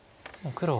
黒は。